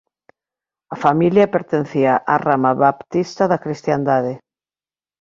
A familia pertencía á rama baptista da Cristiandade.